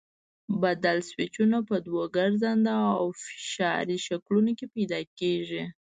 بدل سویچونه په دوو ګرځنده او فشاري شکلونو کې پیدا کېږي.